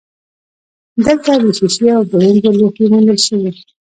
دلته د شیشې او برونزو لوښي موندل شوي